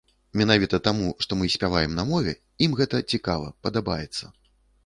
Менавіта таму, што мы спяваем на мове, ім гэта цікава, падабаецца.